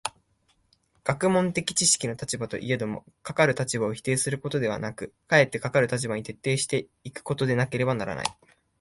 学問的知識の立場といえども、かかる立場を否定することではなく、かえってかかる立場に徹底し行くことでなければならない。